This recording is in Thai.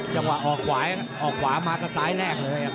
จังหว่าออกขวามาก็ซ้ายแรกเลยครับ